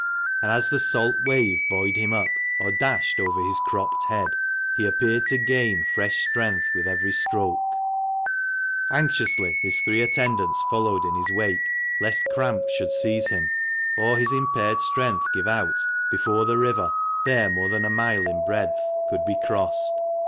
And as the salt wave buoyed him up, or dashed over his cropped head, he appeared to gain fresh strength with every stroke. THE MANCHESTER MAN. 287 Anxiously his three attendants followed in his wake, lest cramp should seize him, or his impaired strength give out before the river — there rather more than a mile in breadth — could be crossed.